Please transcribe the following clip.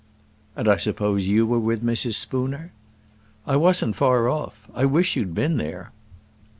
"And I suppose you were with Mrs. Spooner." "I wasn't far off. I wish you had been there."